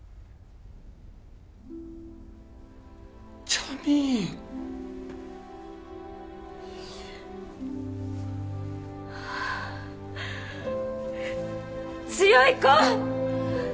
ジャミーン強い子！